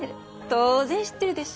当然知っているでしょ？